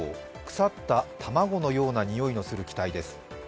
腐った卵のような臭いのする気体です。